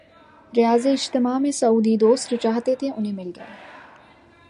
ریاض اجتماع میں سعودی دوست جو چاہتے تھے، انہیں مل گیا۔